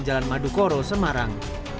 jalan madukoro semarang